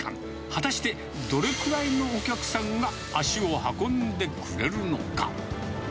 果たしてどれくらいのお客さんが足を運んでくれるのか。